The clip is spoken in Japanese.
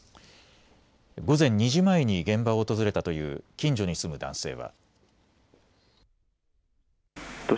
午前２時前に現場を訪れたという近所に住む男性は。